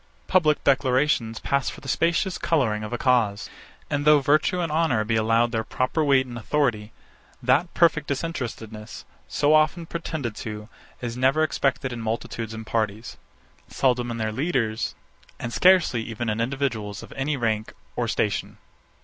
Public declarations pass for the specious colouring of a cause. And though virtue and honour be allowed their proper weight and authority, that perfect disinterestedness, so often pretended to, is never expected in multitudes and parties; seldom in their leaders; and scarcely even in individuals of any rank or station.